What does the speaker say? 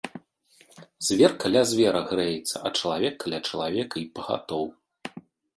Звер каля звера грэецца, а чалавек каля чалавека й пагатоў.